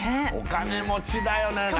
お金持ちだよね。